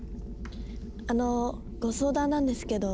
あのご相談なんですけど。